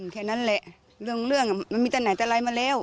แค่นั้นแหละเรื่องมันมีแต่ไหนแต่ไรมาแล้ว